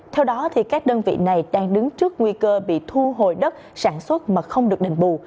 theo đó các đơn vị này đang đứng trước nguy cơ bị thu hồi đất sản xuất mà không được đền bù